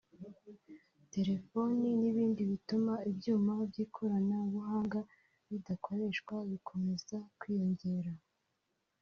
telefoni n’ibindi bituma ibyuma by’ikoranabuhanga bidakoreshwa bikomeza kwiyongera